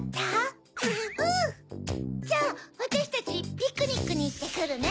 じゃあわたしたちピクニックにいってくるね。